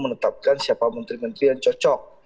menetapkan siapa menteri menteri yang cocok